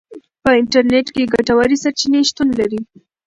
په انټرنیټ کې ګټورې سرچینې شتون لري.